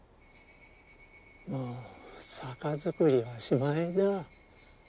もう酒造りはしまいだ